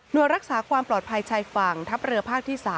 โดยรักษาความปลอดภัยชายฝั่งทัพเรือภาคที่๓